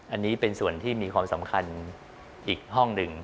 อันนี้เป็นส่วนที่มีความสำคัญอีกห้องหนึ่ง